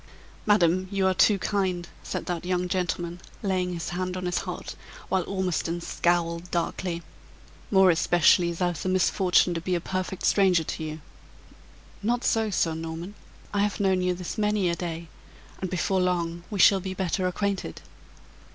"Madam, you are too kind," said that young gentleman, laying his hand on his heart, while Ormiston scowled darkly "more especially as I've the misfortune to be a perfect stranger to you." "Not so, Sir Norman. I have known you this many a day; and before long we shall be better acquainted.